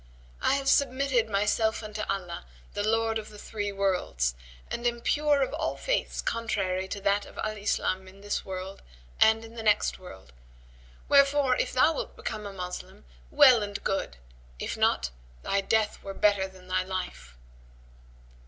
I have submitted myself unto Allah, The Lord of the Three Worlds, and am pure of all faiths contrary to that of Al Islam in this world and in the next world. Wherefore, if thou wilt become a Moslem, well and good; if not, thy death were better than thy life."